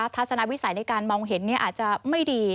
ทัศนวิสัยในการมองเห็นอาจจะไม่ดี